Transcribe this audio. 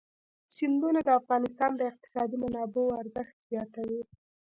سیندونه د افغانستان د اقتصادي منابعو ارزښت زیاتوي.